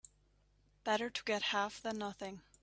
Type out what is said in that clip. Better to get half than nothing.